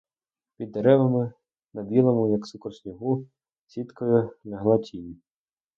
Під деревами, на білому, як цукор, снігу, сіткою лягла тінь.